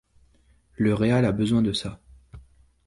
Le Real a besoin de ça.